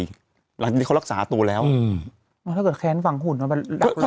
หลังจากนี้เขารักษาตัวแล้วอืมถ้าเกิดแค้นฝั่งหุ่นเขาไปรักรอตัวตาย